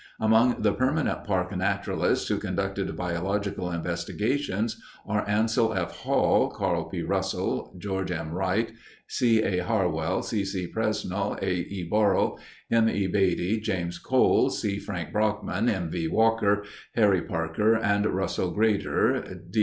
Among the permanent park naturalists who conducted biological investigations are Ansel F. Hall, Carl P. Russell, George M. Wright, C. A. Harwell, C. C. Presnall, A. E. Borell, M. E. Beatty, James Cole, C. Frank Brockman, M. V. Walker, Harry Parker, and Russell Grater.